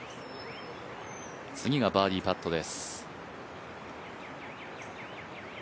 次がバーディーパットです。